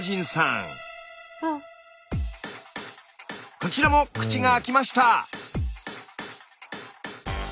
こちらも口が開きました！